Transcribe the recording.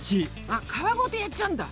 あ皮ごとやっちゃうんだ。